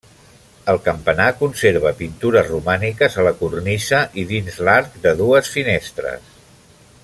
El campanar conserva pintures romàniques a la cornisa i dins l'arc de dues finestres.